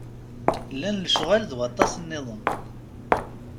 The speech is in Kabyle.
Llan lecɣal d waṭas-nniḍen.